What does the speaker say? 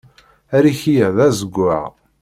Ariki-a d azegzaw.